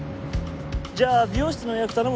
じゃあ美容室の予約頼むわ。